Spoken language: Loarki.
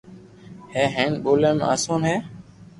ھي ھين ٻوليا ۾ آسون ھي